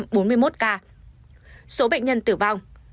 số bệnh nhân tử vong